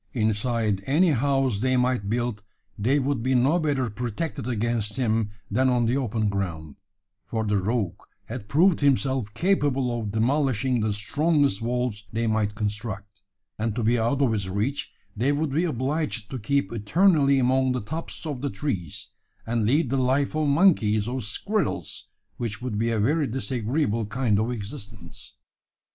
Inside any house they might build, they would be no better protected against him than on the open ground: for the rogue had proved himself capable of demolishing the strongest walls they might construct; and to be out of his reach, they would be obliged to keep eternally among the tops of the trees, and lead the life of monkeys or squirrels which would be a very disagreeable kind of existence.